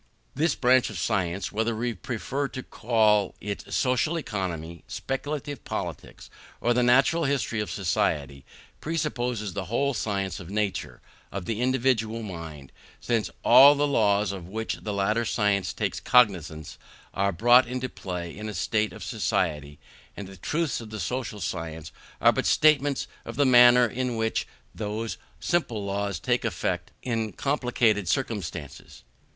This branch of science, whether we prefer to call it social economy, speculative politics, or the natural history of society, presupposes the whole science of the nature of the individual mind; since all the laws of which the latter science takes cognizance are brought into play in a state of society, and the truths of the social science are but statements of the manner in which those simple laws take effect in complicated circumstances.